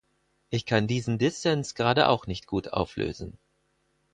Ich kann diesen Dissens gerade auch nicht gut auflösen.